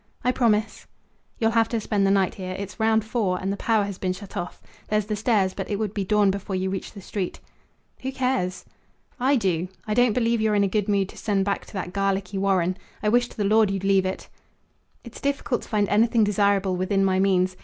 "I promise." "You'll have to spend the night here. It's round four, and the power has been shut off. There's the stairs, but it would be dawn before you reach the street." "Who cares?" "I do. I don't believe you're in a good mood to send back to that garlicky warren. I wish to the Lord you'd leave it!" "It's difficult to find anything desirable within my means.